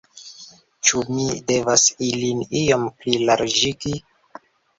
Ĉu mi devas ilin iom plilarĝigi?